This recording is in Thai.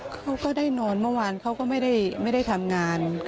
เขาก็ได้นอนเมื่อวานเขาก็ไม่ได้ทำงาน